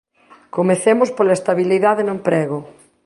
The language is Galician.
Comecemos pola estabilidade no emprego.